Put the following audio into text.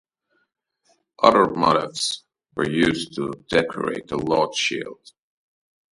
Other motifs were used to decorate the large shield.